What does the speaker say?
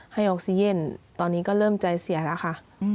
ให้ออกซีเย็นตอนนี้ก็เริ่มใจเสียแล้วค่ะ